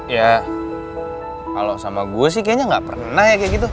ya kalau sama gue sih kayaknya nggak pernah ya kayak gitu